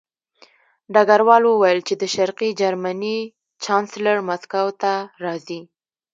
ډګروال وویل چې د شرقي جرمني چانسلر مسکو ته راځي